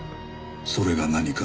それが何か？